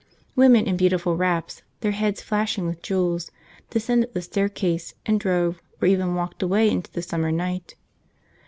Women in beautiful wraps, their heads flashing with jewels, descended the staircase, and drove, or even walked, away into the summer night.